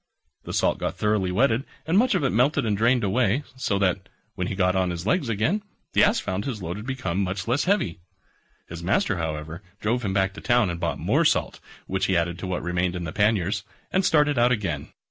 The salt got thoroughly wetted and much of it melted and drained away, so that, when he got on his legs again, the Ass found his load had become much less heavy. His master, however, drove him back to town and bought more salt, which he added to what remained in the panniers, and started out again.